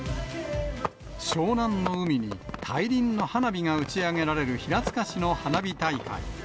湘南の海に大輪の花火が打ち上げられる平塚市の花火大会。